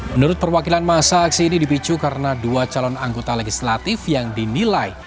menurut perwakilan masa aksi ini dipicu karena dua calon anggota legislatif yang dinilai